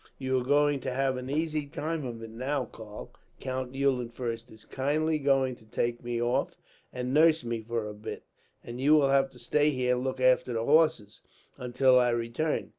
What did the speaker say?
"You are going to have an easy time of it now, Karl. Count Eulenfurst is kindly going to take me off and nurse me for a bit; and you will have to stay here and look after the horses, until I return.